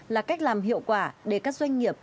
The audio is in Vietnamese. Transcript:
là cách làm hiệu quả để các doanh nghiệp